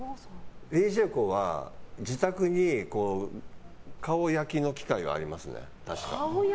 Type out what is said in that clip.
ＤＪＫＯＯは自宅に顔焼きの機械がありまして、確か。